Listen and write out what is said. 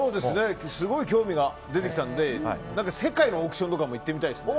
すごい興味が出てきたので世界のオークションとかも行ってみたいですね。